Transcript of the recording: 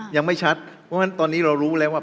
ยังไม่ชัดเพราะฉะนั้นตอนนี้เรารู้แล้วว่า